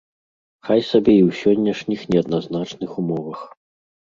Хай сабе і ў сённяшніх неадназначных умовах.